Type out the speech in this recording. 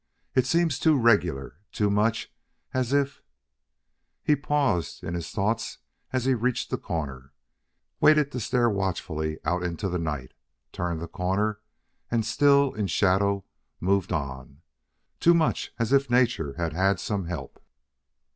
It seems too regular, too much as if " He paused in his thoughts as he reached the corner; waited to stare watchfully out into the night; turned the corner, and, still in shadow, moved on. "Too much as if nature had had some help!"